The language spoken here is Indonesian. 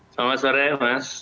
selamat sore mas